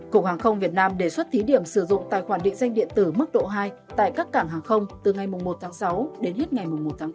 cục hàng không việt nam đề xuất thí điểm sử dụng tài khoản định danh điện tử mức độ hai tại các cảng hàng không từ ngày một sáu đến hết ngày một tám hai nghìn hai mươi ba